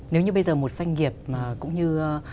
nếu như bây giờ một doanh nghiệp cũng như